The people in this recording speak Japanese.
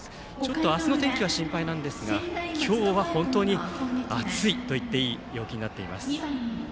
明日の天気が心配なんですが今日は本当に暑いと言っていいぐらいの陽気になっています。